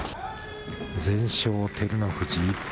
全勝、照ノ富士。